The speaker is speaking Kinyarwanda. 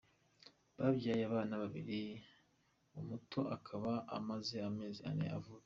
Babyaye abana babiri, umuto akaba amaze amezi ane avutse.